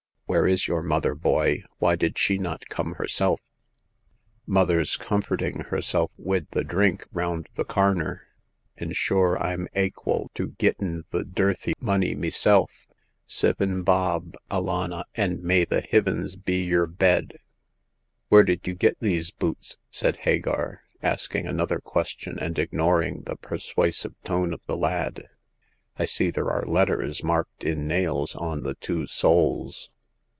Where is your mother, boy ? Why did she not come herself ?"Mother's comforting herself wid the drink round the earner ; an' sure Tm aqual to gittin' th' dirthy money meself ! Sivin bob, alannah, an* may the hivins be yer bed !"Where did you get these boots ?" said Hagar, asking another question, and ignoring the persuasive tone of the lad. " I see there are letters marked in nails on the two soles."